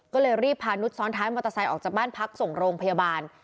ก็เลยรีบพานุษยซ้อนท้ายมอเตอร์ไซค์ออกจากบ้านพักส่งโรงพยาบาล